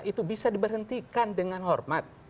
itu bisa diberhentikan dengan hormat